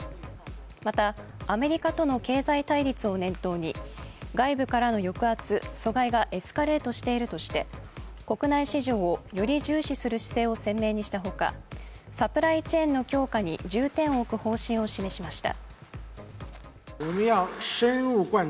またアメリカとの経済対立を念頭に外部からの抑圧・阻害がエスカレートしているとして国内市場をより重視する姿勢を鮮明にしたほか、サプライチェーンの強化に重点を置く方針を示しました。